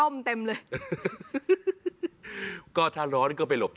แก้ปัญหาผมร่วงล้านบาท